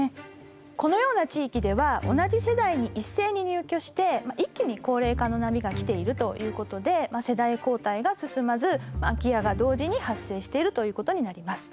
このような地域では同じ世代に一斉に入居して一気に高齢化の波が来ているということで世代交代が進まず空き家が同時に発生しているということになります。